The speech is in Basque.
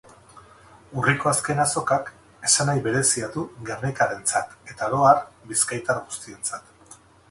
Urriko azken azokak esanahi berezia du gernikarrentzat eta oro har, bizkaitar guztientzat.